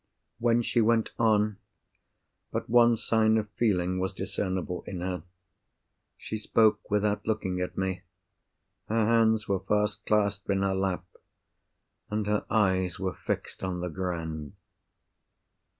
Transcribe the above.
When she went on, but one sign of feeling was discernible in her. She spoke without looking at me. Her hands were fast clasped in her lap, and her eyes were fixed on the ground.